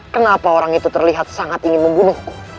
kenapa orang itu terlihat sangat ingin membunuh